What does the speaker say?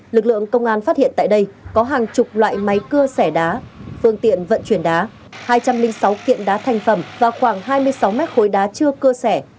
lực lượng công an phát hiện tại đây có hàng chục loại máy cưa xẻ đá phương tiện vận chuyển đá hai trăm linh sáu kiện đá thành phẩm và khoảng hai mươi sáu mét khối đá chưa cưa sẻ